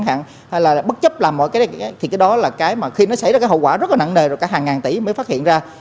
chẳng hạn hay là bất chấp làm mọi cái này thì cái đó là cái mà khi nó xảy ra cái hậu quả rất là nặng nề rồi cả hàng ngàn tỷ mới phát hiện ra